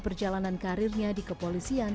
perjalanan karirnya di kepolisian